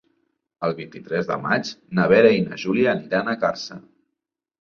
El vint-i-tres de maig na Vera i na Júlia aniran a Càrcer.